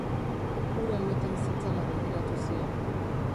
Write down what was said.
Hura lotan zetzala begiratu zion.